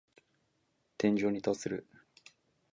天井に達する。